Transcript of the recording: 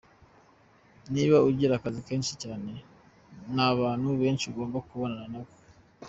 Niba ugira akazi kenshi cyane n’abantu benshi ugomba kubonana nabo.